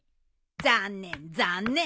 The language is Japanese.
残念残念。